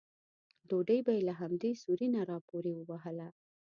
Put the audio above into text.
ډوډۍ به یې له همدې سوري نه راپورې وهله.